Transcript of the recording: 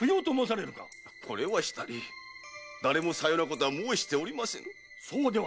これはしたり誰もさようなことは申しておりませぬ。